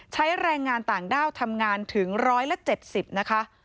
ใช้แรงงานต่างด้าวทำงานถึง๑๗๐นะคะ